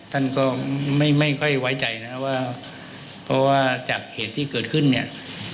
ท่านก็ไม่ไม่ค่อยไว้ใจนะครับว่าเพราะว่าจากเหตุที่เกิดขึ้นเนี่ย